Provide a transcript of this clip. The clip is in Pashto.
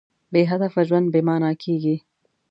بېهدفه ژوند بېمانا کېږي.